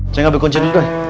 saya gak bikin cedul deh